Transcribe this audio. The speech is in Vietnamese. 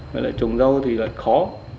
với lại trồng rau thì lại khó